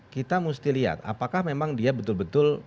kita mesti lihat apakah memang dia betul betul